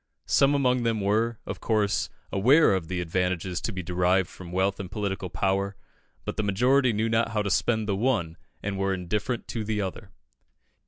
Some among them were, of course, aware of the advantages to be derived from wealth and political power; but the majority knew not how to spend the one, and were indifferent to the other.